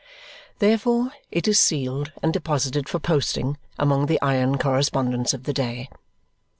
Therefore it is sealed and deposited for posting among the iron correspondence of the day.